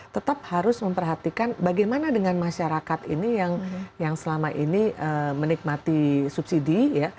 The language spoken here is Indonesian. tetap harus memperhatikan bagaimana dengan masyarakat ini yang selama ini menikmati subsidi